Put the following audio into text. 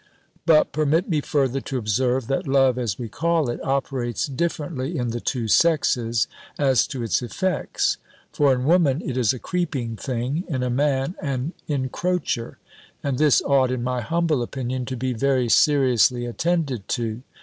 _ "But, permit me further to observe, that love, as we call it, operates differently in the two sexes, as to its effects. For in woman it is a creeping thing, in a man an incroacher; and this ought, in my humble opinion, to be very seriously attended to.